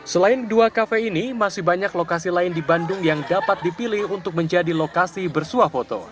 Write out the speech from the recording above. selain dua kafe ini masih banyak lokasi lain di bandung yang dapat dipilih untuk menjadi lokasi bersuah foto